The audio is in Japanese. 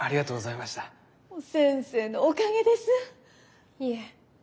いえ。